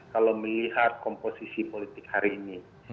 kalau melihat komposisi politik hari ini